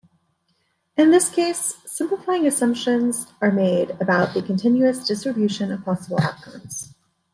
In this case, simplifying assumptions are made about the continuous distribution of possible outcomes.